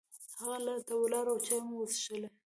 هلته ولاړو او چای مو وڅښلې.